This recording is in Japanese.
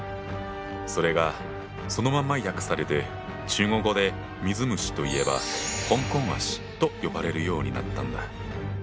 それがそのまま訳されて中国語で水虫といえば「香港脚」と呼ばれるようになったんだ。